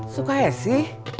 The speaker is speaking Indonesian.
suka ya sih